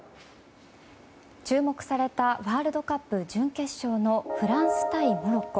注目されたワールドカップ準決勝のフランス対モロッコ。